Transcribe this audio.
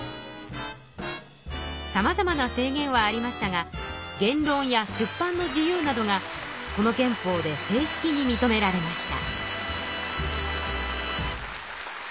さまざまな制限はありましたが言論や出版の自由などがこの憲法で正式に認められました。